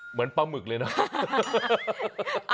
เหมือนปลาหมึกเลยนะ